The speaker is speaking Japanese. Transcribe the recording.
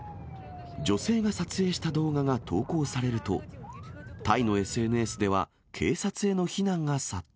女性が撮影した動画が投稿されると、タイのＳＮＳでは、警察への非難が殺到。